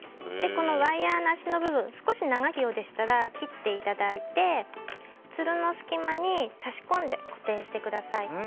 このワイヤなしの部分少し長いようでしたら切っていただいてつるの隙間に差し込んで固定してください。